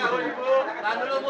ibu ibu bantuan ibu